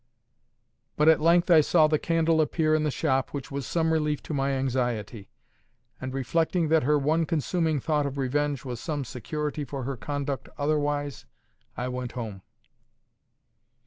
But at length I saw the candle appear in the shop, which was some relief to my anxiety; and reflecting that her one consuming thought of revenge was some security for her conduct otherwise, I went home.